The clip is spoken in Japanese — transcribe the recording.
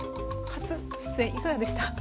初出演いかがでした？